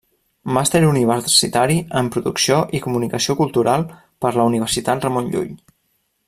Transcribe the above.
Màster Universitari en Producció i Comunicació Cultural per la Universitat Ramon Llull.